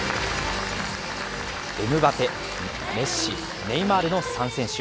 エムバペ、メッシ、ネイマールの３選手。